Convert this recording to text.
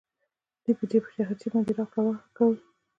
دوی په جېب خرچې باندې راکړه ورکړه کوي